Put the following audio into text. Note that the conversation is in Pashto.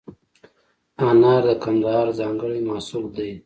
انار د کندهار ځانګړی محصول دی.